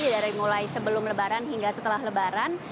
dari mulai sebelum lebaran hingga setelah lebaran